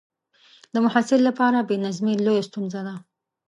د محصل لپاره بې نظمي لویه ستونزه ده.